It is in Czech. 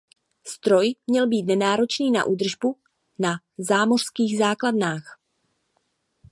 Stroj měl být nenáročný na údržbu na zámořských základnách.